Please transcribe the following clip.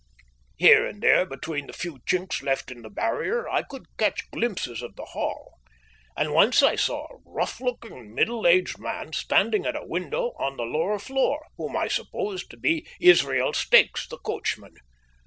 Here and there between the few chinks left in the barrier I could catch glimpses of the Hall, and once I saw a rough looking, middle aged man standing at a window on the lower floor, whom I supposed to be Israel Stakes, the coachman.